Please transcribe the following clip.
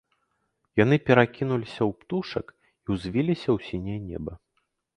Яны перакінуліся ў птушак і ўзвіліся ў сіняе неба.